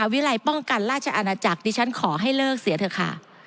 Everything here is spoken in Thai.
วิลัยป้องกันราชอาณาจักรดิฉันขอให้เลิกเสียเถอะค่ะ